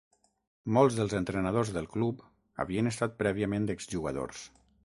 Molts dels entrenadors del club havien estat prèviament exjugadors.